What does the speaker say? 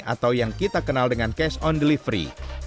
atau yang kita kenal dengan cash on delivery